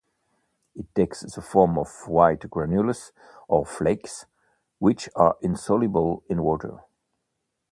It takes the form of white granules or flakes, which are insoluble in water.